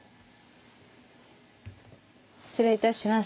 失礼いたします。